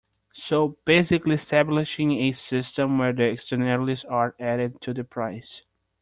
So basically establishing a system where the externalities are added to the price.